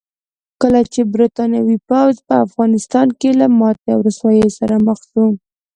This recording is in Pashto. کله چې برتانوي پوځ په افغانستان کې له ماتې او رسوایۍ سره مخ شو.